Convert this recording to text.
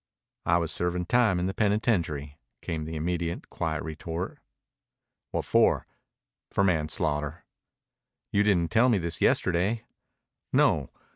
"I was serving time in the penitentiary," came the immediate quiet retort. "What for?" "For manslaughter." "You didn't tell me this yesterday." "No.